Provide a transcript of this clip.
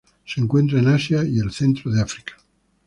Se encuentra en Asia y el centro de África.